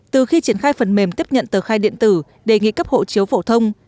từ khi triển khai phần mềm tiếp nhận tờ khai điện tử đề nghị cấp hộ chiếu phổ thông